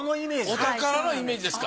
お宝のイメージですか。